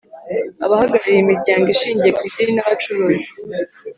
abahagarariye imiryango ishingiye ku idini n’abacuruzi;